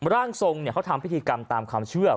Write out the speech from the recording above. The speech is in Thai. ร่างทรงเขาทำพิธีกรรมตามความเชื่อ